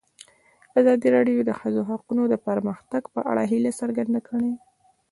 ازادي راډیو د د ښځو حقونه د پرمختګ په اړه هیله څرګنده کړې.